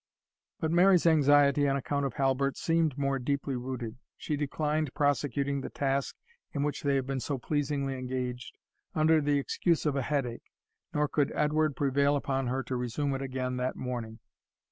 But Mary's anxiety on account of Halbert seemed more deeply rooted. She declined prosecuting the task in which they had been so pleasingly engaged, under the excuse of a headache; nor could Edward prevail upon her to resume it again that morning.